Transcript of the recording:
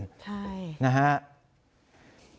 ใช่